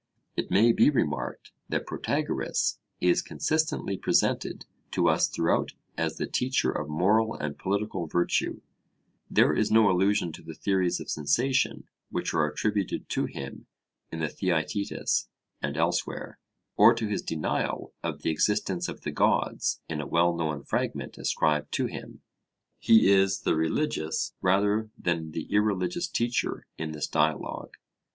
It may be remarked that Protagoras is consistently presented to us throughout as the teacher of moral and political virtue; there is no allusion to the theories of sensation which are attributed to him in the Theaetetus and elsewhere, or to his denial of the existence of the gods in a well known fragment ascribed to him; he is the religious rather than the irreligious teacher in this Dialogue.